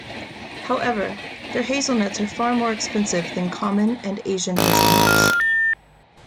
However, their hazelnuts are far more expensive than common and Asian hazelnuts.